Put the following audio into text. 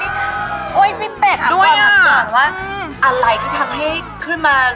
เอยมีเป็ดด้วยอะมันสามารถว่าอะไรที่ทำให้ขึ้นมา